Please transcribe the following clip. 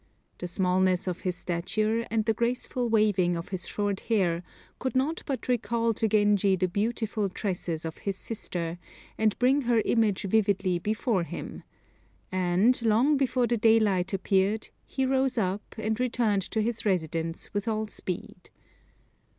The smallness of his stature, and the graceful waving of his short hair, could not but recall to Genji the beautiful tresses of his sister, and bring her image vividly before him; and, long before the daylight appeared, he rose up, and returned to his residence with all speed.